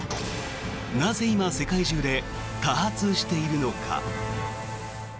なぜ今、世界中で多発しているのか。